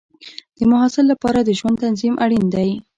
د محصل لپاره د ژوند تنظیم اړین دی.